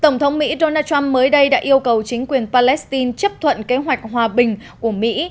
tổng thống mỹ donald trump mới đây đã yêu cầu chính quyền palestine chấp thuận kế hoạch hòa bình của mỹ